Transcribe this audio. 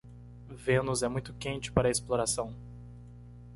Vênus é muito quente para a exploração.